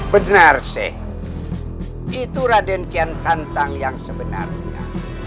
benar sih itu raden kian santang yang sebenarnya